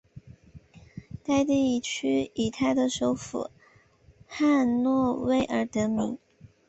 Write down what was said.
该地区以它的首府汉诺威而得名。